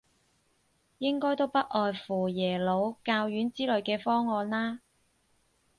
應該都不外乎耶魯、教院之類嘅方案啦